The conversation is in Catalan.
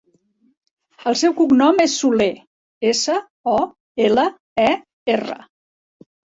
El seu cognom és Soler: essa, o, ela, e, erra.